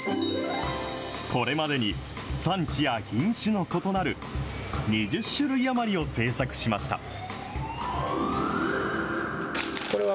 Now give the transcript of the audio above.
これまでに、産地や品種の異なる２０種類余りを製作しました。